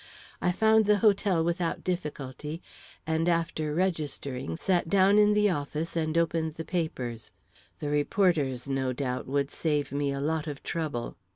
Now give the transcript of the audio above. I found the hotel without difficulty, and after registering, sat down in the office and opened the papers. The reporters, no doubt, would save me a lot of trouble.